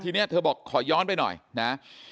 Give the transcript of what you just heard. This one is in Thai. ทีนี้เธอบอกขอย้อนไปหน่อยนะ